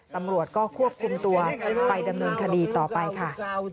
ตำรวจก็ควบคุมตัวไปดำเนินคดีต่อไปค่ะ